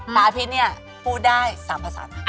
สาพี่เนี่ยพูดได้๓ภาษานะ